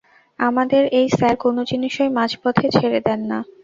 আমাদের এই স্যার কোনো জিনিসই মাঝপথে ছেড়ে দেন না।